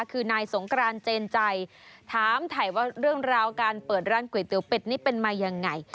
คือนายสงกรานเจนใจถามถ่ายว่าเรื่องราวการเปิดร้านก๋วยเตี๋ยวเป็ดนี่เป็นมายังไง